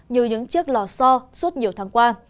như những chiếc lò so suốt nhiều tháng qua